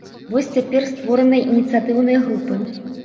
Вось цяпер створаныя ініцыятыўныя групы.